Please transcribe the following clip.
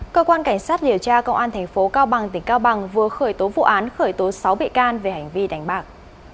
cơ quan cảnh sát điều tra công an tp cao bằng tỉnh cao bằng vừa khởi tố vụ án khởi tố sáu bị can về hành vi đánh bạc